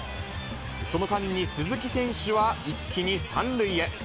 その間に、鈴木選手は一気に３塁へ。